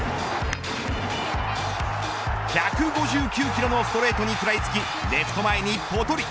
１５９キロのストレートに食らいつきレフト前にぽとり